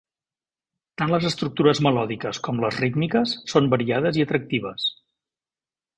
Tant les estructures melòdiques com les rítmiques són variades i atractives.